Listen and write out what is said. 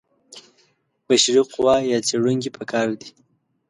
بشري قوه یا څېړونکي په کار دي.